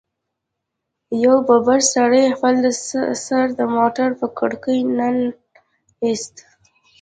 يوه ببر سري خپل سر د موټر په کړکۍ ننه ايست.